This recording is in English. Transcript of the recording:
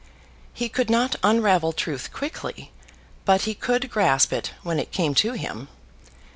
He could not unravel truth quickly, but he could grasp it when it came to him.